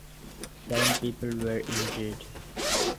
Seven people were injured.